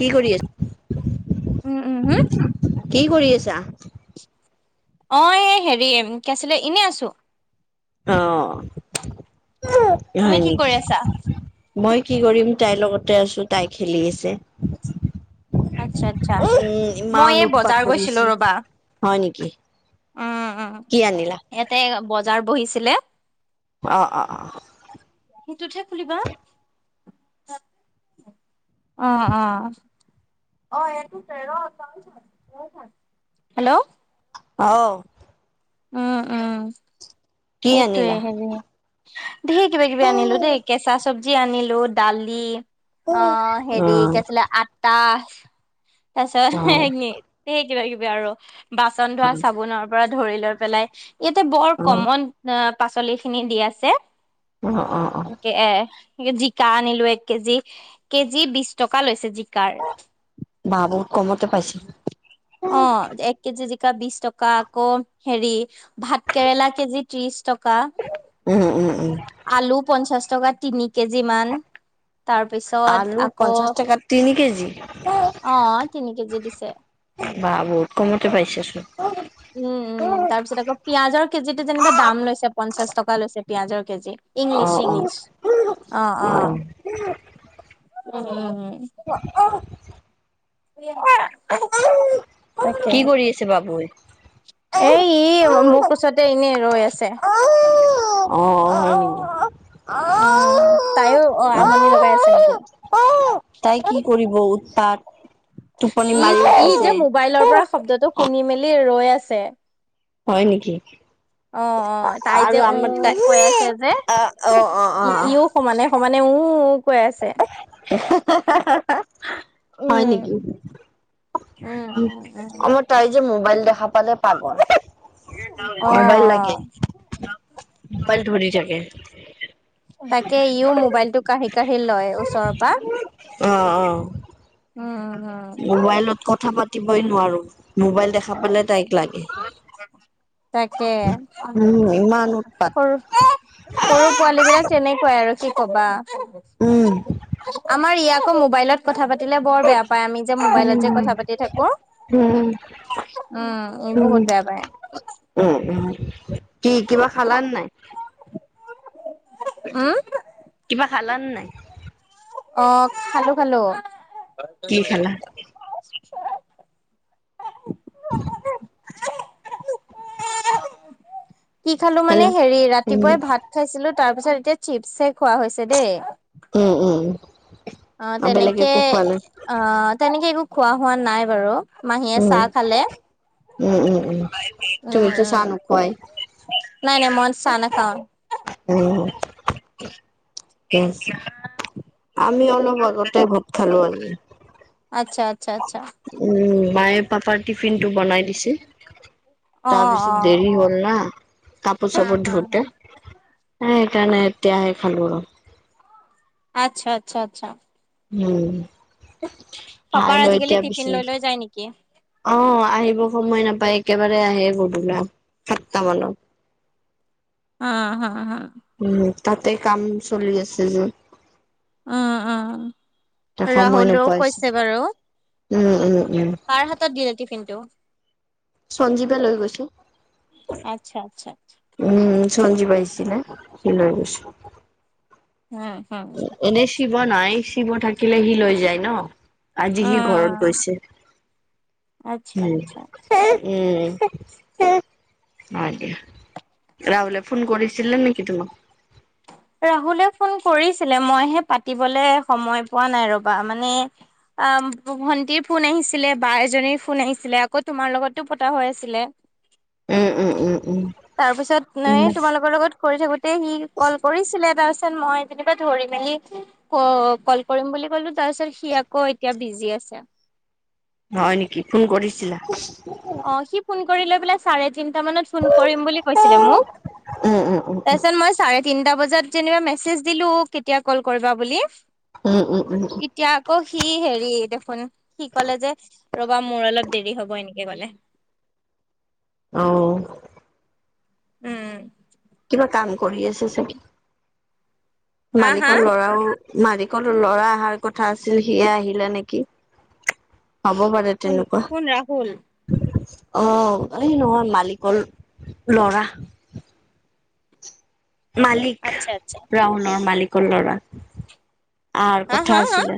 কি কৰি আছ উম, উম, হম, কি কৰি আছা? অ এই হেৰি কি আছিলে এনে আছো। আহঁ তুমি হয় কি কৰি নেকি আছা? মই কি কৰিম তাইৰ লগতে আছো, তাই খেলি আছে। আচ্ছা, আচ্ছা, উম, মই ইমান এই বজাৰ উৎপাত গৈছিলো কৰিছে, ৰবা, হয় নেকি। উম, উম, কি আনিলা। ইয়াতে বজাৰ বহিছিলে। অঁ অঁ অঁ সিটোতহে খুলিবা, অঁ অঁ হেল্ল' অ উম উম কি এইটোৱে আনিলা? হেৰি। ধেৰ কিবা কিবি অ' আনিলো দেই অ' কেঁচা চবজি আনিলো দালি অ হেৰি কি আছিলে আটা তাছত সে এনে সেই কিবা কিবি আৰু বাচন ধৰা চাবোনৰ পৰা ধৰি লৈ পেলাই- ইয়াতে বৰ অ' কমন পাচলি খিনি দি আছে, অ' অ' এ- জিকা আনিলো এক কেজি, কেজি বিশ টকা লৈছে জিকাৰ। বাহ বহুত কমতে পাইছে। অ এক কেজি জিকা বিশ টকা আকৌ হেৰি ভাত কেৰেলা কেজিত ত্ৰিশ টকা, উম, উম, উম। আলু পঞ্চাশ টকা তিনি কেজি মান তাৰপিছত আলু আকৌ পঞ্চাশ টকাত তিনি কেজি আহ তিনি কেজি দিছে। বাহ বহুত কমতে পাইছাচোন। উম উম তাৰ পিছত আকৌ পিয়াজৰ কেজিতে যেনিবা দাম লৈছে পঞ্চাশ টকা লৈছে। পিঁয়াজৰ কেজি ইংলিছ ইংলিছ অ অ। উ উম। [unintelligible] [unintelligible] তাকে কি কৰি আছে বাবোৱে? এই ই মোৰ কোচতে এনেই ৰৈ আছে। অ অ অ উম, তাইও অ আমনি লগাই আছে নেকি? তাই কি কৰিব উৎপাত টোপনি ই মাৰি ই যে আছে। মোবাইলৰ পৰা শব্দটো শুনি মেলি ৰৈ আছে। হয় নেকি? অ অ তাই যে আৰু উ আমাৰ তাই কৈ আছে যে অ অ অ। ই ইও সমানে সমানে উও কৈ আছে। হা হা হা হা। উম। উম উম উম আমাৰ তাই যে মোবাইল দেখা পালে পাগল। অ মোবাইল অ লাগে মোবাইল ধৰি যায়। তাকে ইও মোবাইলতটো কাঢ়ি কাঢ়ি লয় ওচৰৰ পা। অ অ। উম অ। মোবাইলত কথা পাতিবই নোৱাৰো মোবাইল দেখা পালে তাইক লাগে। তাকে উম, ইমান উৎপাত সৰু সৰু পোৱালী বিলাক তেনেকুৱাই আৰু কি কবা। উম। আমাৰ ই আকৌ মোবাইলত কথা পাতিলে বৰ বেয়া পায় আমি যে মোবাইলত যে কথা পাতি থাকো। উম, উম। ই উম বহুত বেয়া পায় উ উ কি কিবা খালা নাই। উম। কিবা খালা নাই? অ খালো খালো। কি খালা? [unintelligible] [inaudible] কি খালো মানে হেল্ল'। হেৰি উম, ৰাতিপুৱাই ভাত খাইছিলো তাৰ পিছত এতিয়া চিপছে খোৱা হৈছে দেই। উম উম উ। অ তেনেকে অ তেনেকে একো খোৱা হোৱা নাই বাৰু। মাহীয়ে উম, চাহ খালে। উম, উম, উম, উম উম তুমিতো চাহ নোখোৱাই? নাই নাই মন চাহ নাখাওঁ। উম। আছে আমি অলপ আগতে বোট খালো আনি। আচ্ছা- আচ্ছা -আচ্ছা। উম মায়ে পাপাৰ টিফিন টো বনাই দিছিল। অ তাৰপিছত অ দেৰি হ'ল ন কাপোৰ হা চাপোৰ হা হা ধুতে। সেইকাৰণে এতিয়াহে খালো আৰু। আচ্ছা- আচ্ছা -আচ্ছা। উম, ভাই পাপাৰ ল আজিকালি এতিয়া টিফিন পিছে। লৈ লৈ যায় নেকি অ, আহিব সময় নাপায় একেবাৰে আহে বৰদলা সাতটা মানত। অ, হা-হা। উম, তাতে কাম চলি আছে যে। উম উম এ সময় ৰাহুলেও নোপাইছো কৈছে বাৰু উম- উম -উম। কাৰ হাতত দিলে টিফিনটো? সঞ্জীৱে লৈ গৈছো। আচ্ছা আচ্ছা উম, সঞ্জীব পাইছিলে সি লৈ গৈছে। উম, উম এনেই শিৱ নাই শিৱ থাকিল সি লৈ যায় ন। আজি সি ঘৰত উম গৈছে আচ্ছা উম, আচ্ছা উম, অ, দিয়া। [unintelligible] ৰাহোলে ফোন কৰিছিলিলে নেকি তোমাক? ৰাহুলে ফোন কৰিছিলে মইহে পাতিবলে সময় পোৱা নাই ৰবা মানে অ, ভন্টিৰ ফোন আহিছিলে বা এজনীৰ ফোন আহিছিলে আকৌ তোমাৰ লগতো পতা হৈ আছিলে। উম উম উম উম তাৰপিছত ন উম তোমালোকৰ লগত কৰি থাকোতে সি কল। কৰিছিলে তাৰ পিছত মই যেনেকুৱা ধৰি মেলি অ, কল কৰিম বুলি কলো। তাৰ পিছত সি আকৌ এতিয়া বিজি আছে। হয় নেকি ফোন কৰিছিলা। অ, সি ফোন কৰিলে বুলে চাৰে তিন টা মানত ফোন কৰিম বুলি কৈছিলে মই উম উম উম তাচত মই চাৰে তিনটা তিনটা বজাত যেনিবা মেছেজ দিলো কেতিয়া কল কৰিবা বুলি? উম -উম - উম। এতিয়া আকৌ সি হেৰি দেখোন সি কলে যে ৰবা মোৰ অলপ দেৰি হব এনেকে কলে। অ', উম, কিবা কাম কৰি আছে চাগে হা হা মালিকৰ ল'ৰাও মালিকো ল'ৰা অহাৰ কথা আছিল সিয়ে আহিলে নেকি হ'ব পাৰে। কোন তেনেকুৱা। কোন ৰাহুল অ, এই নহয় মালিকৰ লৰা মালিক আচ্ছা আচ্ছা ৰাহুলৰ মালিকৰ ল'ৰা। আহাৰ হা কথা হা হা আছিলে।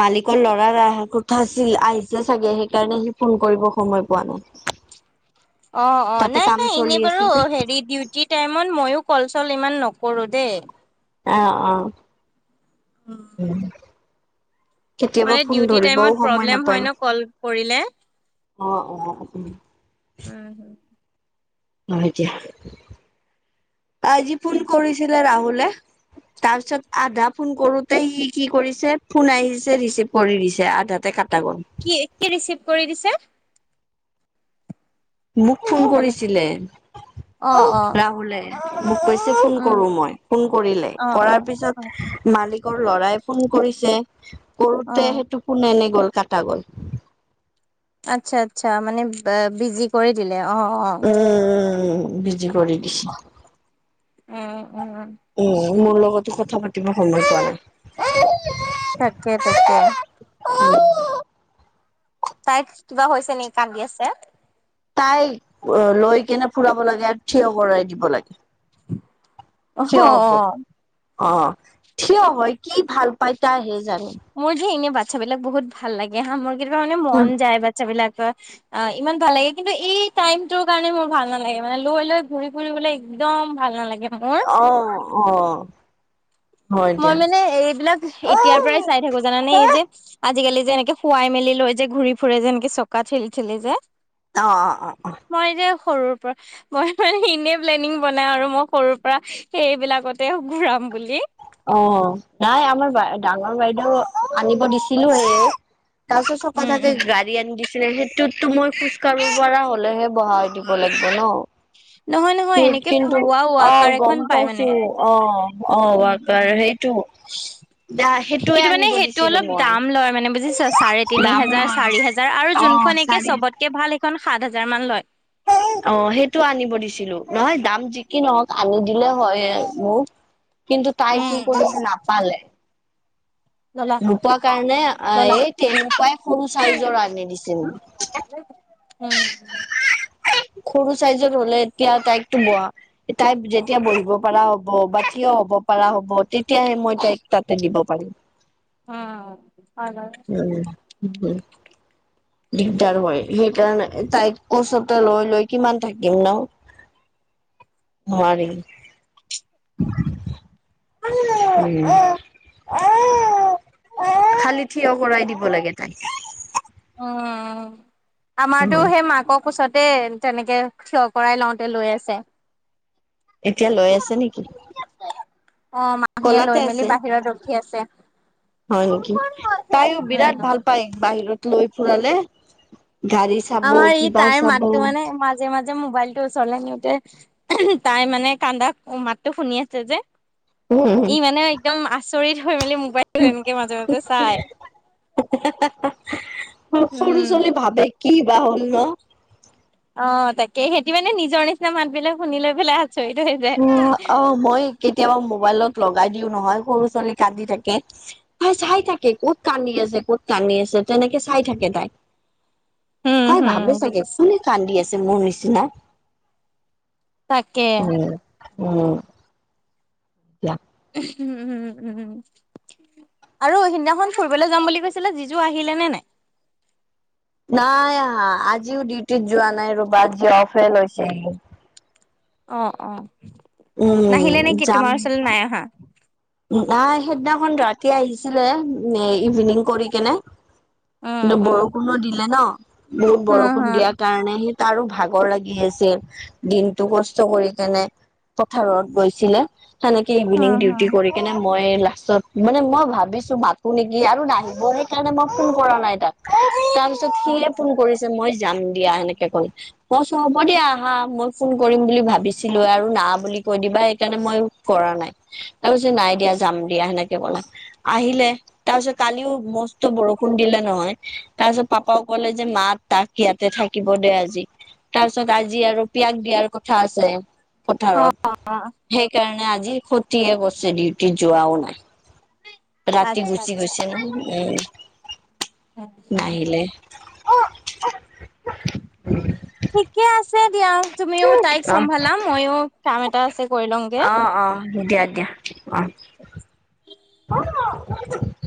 মালিকৰ ল'ৰাৰ কথা আছিল আহিছে চাগে সেইকাৰণে সি ফোন কৰিব সময় পোৱা নাই। অহ', অহ', তাতে নাই- কাম নাই চলি এনেই বাৰু আছে যে, হেৰি ডিউটি ডিউটি টাইমত ময়ো কল চল ইমান নকৰো দেই। অহ ', অহ', উম, [unintelligible] কেতিয়াবা মানে ফোন ডিউটি ধৰিবও টাইমত সময় প্ৰব্লেম হয় নাপায় অহ', ন কল কৰিলে অহ', উম, হুম। হয় দিয়া আজি ফোন কৰিছিলে ৰাহুলে। তাৰ পিছত আধা ফোন কৰোতে সি কি কৰিছে ফোন আহিছে ৰিচিভ কৰি দিছে আধাতে কাটা গ'ল। কি-কি ৰিচিভ কৰি দিছে। মোক ফোন কৰিছিলে অ অ ৰাহুলে মোক কৈছে ফোন উম কৰো মই ফোন কৰিলে অ অ কৰাৰ অ পিছত মালিকৰ ল'ৰাই ফোন কৰিছে অ কৰোতে সেইটো ফোন এনে গ'ল কাটা গ'ল। আচ্ছা - আচ্ছা মানে বিজি কৰি দিলে অহ', অহ', উম উম উম যি কৰি দিছো উম উম উম মোৰ লগতো কথা পাতিব সময় পোৱা নাই তাকে তাকে উম তাইৰ কিবা হৈছে নেকি কান্দি আছে? তাই লৈ কেনে ফুৰাব লাগে আৰু থিয় কৰাই দিব লাগে অ থিয় হব অ থিয় হয় কি ভাল পাই তাইহে জানে মোৰ যে এনে বাচ্ছাবিলাক বহুত ভাল লাগে হা মোৰ কেতিয়াবা মানে মন যায় বাচ্ছা বিলাকৰ অ ইমান ভাল লাগে কিন্তু এই টাইমটোৰ কাৰণে মোৰ ভাল নালাগে মানে লৈ লৈ ঘূৰি ফুৰিবলৈ একদম ভাল নালাগে। মোৰ। অহ অহ মই মানে এইবিলাক এতিয়াৰ পৰাই চাই থাকো জানানে এই যে আজিকালি যেনেকে শুৱাই মেলি লৈ যে ঘূৰি ফুৰে যেনেকে চকা ঠেলি ঠেলি যে অহ অহ অহ অহ মই এতিয়া সৰুৰ পৰা মই মানে এনেই প্লেনিং বনাই আৰু মই সৰুৰ পৰা সেইবিলাকতে ঘূৰাম বুলি অহ, ' নাই আমাৰ ডাঙৰ বাইদেউ আনিব দিছিলো এ। তাৰপিছত চকা উম থাকে উম গাড়ী আনি দিছে। সেইটোততো মই খোজ কাঢ়িব পৰা হ'লেহে বহাই দিব লাগব ন'। নহয় নহয় এনেকে কিন্তু খুওৱা ৱাকাৰ অ', এখন গম পাই মানে। পাইছো অ', উম অ', কাৰ উম। সেইটো সেইটোয়ে কিন্তু মানে আনিব সেইটো দিছিলো অলপ মই দাম লয় মানে বুজিছা চাৰে তিনি দাম হেজাৰ নহয় চাৰি হেজাৰ আৰু অ', যোনখন একে চাৰে চবতকে ভাল সেইখন সাত হাজাৰ মান লয় অ সেইটো আনিব দিছিলো নহয় দাম যি কি নহওক আনি দিলে হয় মোক কিন্তু তাই উম কি উম কৰিছে নাপালে। ললা নোপোৱা কাৰণে ললা এই তেনেকুৱাই সৰু চাইজৰ আনি দিছিল। উম হম সৰু চাইজত হলে এতিয়া তাইক টো বহা তাই যেতিয়া বহিব পাৰা হব বা থিয় হব পাৰা হ'ব তেতিয়াহে মই তাইক তাতে দিব পাৰিম। অহ হয় বাৰু উম উম দিগদাৰ হয় সেইকাৰণে তাইক কোচতে লৈ লৈ কিমান থাকিম ন, নোৱাৰি। উম খালি থিয় কৰাই দিব লাগে তাইক। উম, আমাৰতো উম, সেই মাকৰ কোচতে তেনেকে থিয় কৰাই লওঁতে লৈ আছে। এতিয়া লৈ আছে নেকি? অ', মাহীয়ে কলাতে লৈ মেলি আছে বাহিৰত ৰখি আছে উম। নেকি? তাইও বিৰাট ভাল হয় বাহিৰত লৈ ফুৰালে গাড়ি চা আমাৰ ই তাইৰ মাতটো মানে মাজে -মাজে মোবাইলটো ওচৰলে নিওঁতে তাই মানে কান্দা মো মাতটো শুনি আছে যে। ই উম [unintelligible] মানে একদম আচৰিত হৈ মেলি মোবাইল টো এনকে মাজে -মাজে চাই। সৰু উম ছোৱালী ভাবে কি বা হ'ল ন'। অহ, তাকে হেতি মানে নিজৰ নিচিনা মাত বিলাক শুনি লৈ পেলাই আচৰিত হৈ যায়। অহ, মই কেতিয়াবা মোবাইলত লগাই দিও নহয় সৰু ছোৱালী কান্দি থাকে। তাই চাই থাকে ক'ত কান্দি আছে ক'ত কান্দি আছে তেনেকে চাই থাকে তাই। উম তাই হুম ভাবে চাগে বুজিছো কোনে কান্দি আছে মোৰ নিচিনা। তাকে। উম, উম, দিয়া। উম-উম-উম আৰু সিদিনাখন ফুৰিবলৈ যাম বুলি কৈছিলে জিজো আহিলে নে নাই? নাই আহা আজিও ডিউটিত যোৱা নাই ৰবা আজি অফে লৈছে। অ', অ', উম, নাহিলে নেকি যাম। তোমাৰ ওচৰলৈ নাই অহা। নাই সেইদিনাখন ৰাতি আহিছিলে ইভিনিং কৰি কেনে। উম কিন্তু উম বৰষুণো দিলে ন' বহুত হম বৰষুণ দিয়াৰ হম কাৰণে সি তাৰো ভাগৰ লাগি আছিল দিনটো কষ্ট কৰি কেনে। পথাৰত গৈছিলে সেনেকে ইভিনিং ডিউটি হম সেই কানে মই লাষ্টত মানে মই ভাবিছো মাতো নেকি আৰু নাহিব সেইকাৰণে মই ফোন কৰা নাই তাক। তাৰপিছত হম সিয়ে ফোন কৰিছে মই যাম দিয়া সেনেকে কৈ। মই কৈছোঁ হ'ব দিয়া আহা মই ফোন কৰিম বুলি ভাবিছিলো আৰু না বুলি কৈ দিবা সেইকাৰণে মই কৰা নাই। [inaudible] আৰু যে নাই দিয়া যাম দিয়া সেনেকে কলে আহিলে। তাৰপাছত কালিও মস্ত বৰষুণ দিলে নহয় তাৰ পাছত পাপাও কলে যে মাত তাক সিয়াতে থাকিব দে আজি তাৰপিছত আজি আৰু পিয়াগ দিয়াৰ কথা আছে অ পথাৰত সেইকাৰণে আজি খতিহে কৰ ছে ডিউটি যোৱাও নাই ৰাতি আচ্ছা গুচি আচ্ছা গৈছে ন উম নাহিলে [unintelligible] ঠিকে আছে দিয়া তুমিও তাইক চম্ভালা ময়ো কাম এটা আছে কৰি লঙগে। অ অ দিয়া দিয়া। অহ [unintelligible]